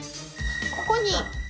ここに。